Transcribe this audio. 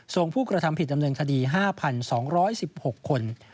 ผู้กระทำผิดดำเนินคดี๕๒๑๖คน